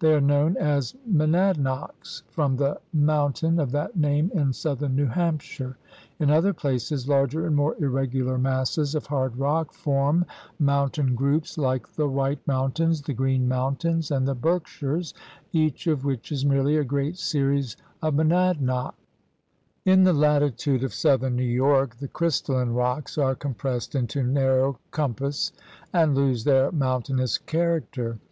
They are known as "monadnocks " from the moun tain of that name in southern New Hampshire. In other places larger and more irregular masses of hard rock form mountain groups like the White GEOGRAPHIC PROVINCES 61 Mountains, the Green Mountains, and the Berk shires, each of which is merely a great series of monadnocks. In the latitude of southern New York the crys talline rocks are compressed into narrow compass and lose their mountainous character.